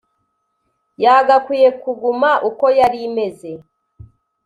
yagakwiye kuguma uko yari imeze